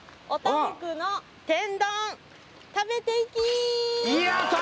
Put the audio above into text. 「お多福のてん丼食べていきー！」